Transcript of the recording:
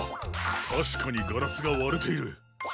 たしかにガラスがわれている。